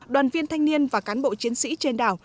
đoàn viên thanh niên và cán bộ chiến sĩ trên đảo